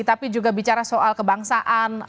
tapi juga bicara soal kebangsaan